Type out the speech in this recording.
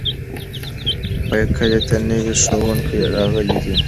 کلي ته نوی ښوونکی راغلی دی.